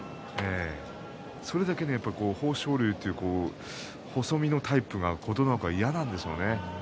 それだけ豊昇龍って細身のタイプが琴ノ若嫌なんでしょうね。